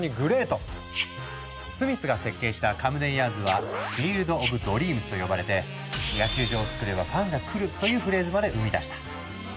スミスが設計したカムデンヤーズは「フィールドオブドリームス」と呼ばれてというフレーズまで生み出した。